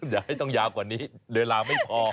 อย่าให้ต้องยาวกว่านี้เวลาไม่พอ